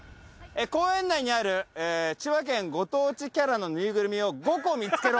公園内にある千葉県ご当地キャラのぬいぐるみを５個見つけろ。